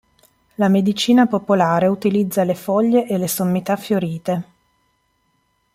La medicina popolare utilizza le foglie e le sommità fiorite.